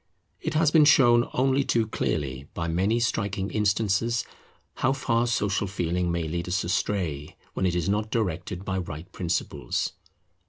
It has been shown only too clearly by many striking instances how far Social Feeling may lead us astray when it is not directed by right principles.